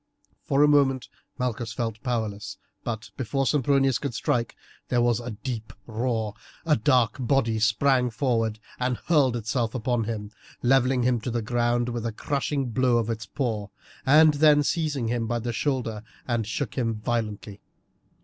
For a moment Malchus felt powerless, but before Sempronius could strike there was a deep roar, a dark body sprang forward and hurled itself upon him, levelling him to the ground with a crushing blow of its paw, and then seized him by the shoulder and shook him violently.